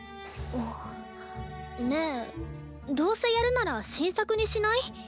んっねえどうせやるなら新作にしない？